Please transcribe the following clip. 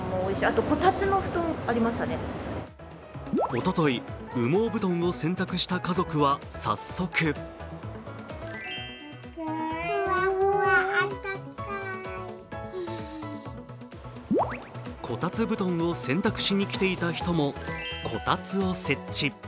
おととい羽毛布団を洗濯した家族は早速こたつ布団を洗濯しに来ていた人も、こたつを設置。